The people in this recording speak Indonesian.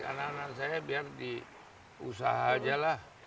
anak anak saya biar diusaha aja lah